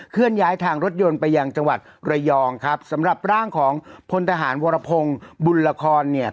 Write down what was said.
เลื่อนย้ายทางรถยนต์ไปยังจังหวัดระยองครับสำหรับร่างของพลทหารวรพงศ์บุญละครเนี่ย